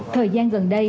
thời gian gần đây